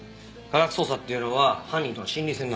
科学捜査っていうのは犯人との心理戦なんだ。